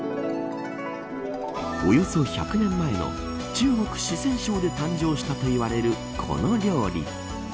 およそ１００年前の中国、四川省で誕生したといわれるこの料理。